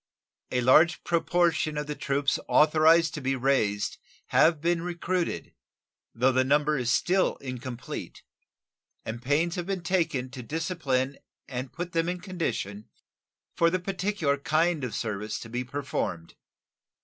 A large proportion of the troops authorized to be raised have been recruited, though the number is still incomplete, and pains have been taken to discipline and put them in condition for the particular kind of service to be performed.